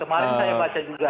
ya ya kemarin saya baca juga